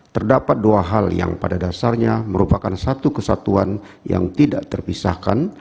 terdapat dua hal yang pada dasarnya merupakan satu kesatuan yang tidak terpisahkan